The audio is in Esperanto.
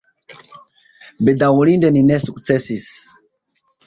Bedaŭrinde ni ne sukcesis.